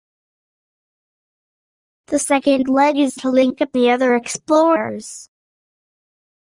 The second leg is to link up the other explorers.